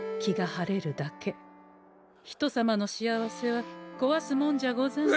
人様の幸せはこわすもんじゃござんせん。